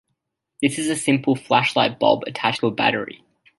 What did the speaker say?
This is a simple flashlight bulb attached to a battery.